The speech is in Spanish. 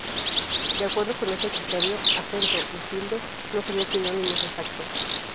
De acuerdo con ese criterio, "acento" y "tilde" no serían sinónimos exactos.